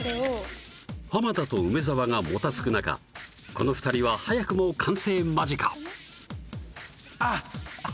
浜田と梅沢がもたつく中この２人は早くも完成間近あっ